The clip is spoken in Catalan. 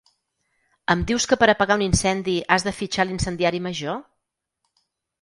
Em dius que per apagar un incendi has de fitxar l’incendiari major?